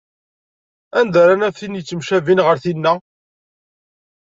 Anda ara naf tin yettcabin ar tinna?